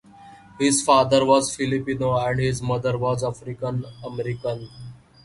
His father was Filipino and his mother was African American.